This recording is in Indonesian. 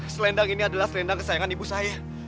selendang ini adalah selendang kesayangan ibu saya